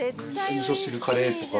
味噌汁カレーとか。